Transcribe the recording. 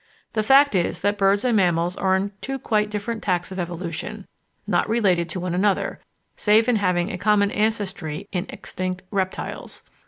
The fact is that birds and mammals are on two quite different tacks of evolution, not related to one another, save in having a common ancestry in extinct reptiles.